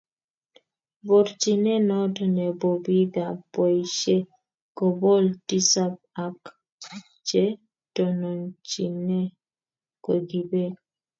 Borchinee noto ne bo biikab boisie bokol tisap ak che tonontochine ko kibek.